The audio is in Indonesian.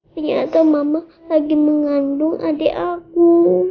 ternyata mama lagi mengandung adik aku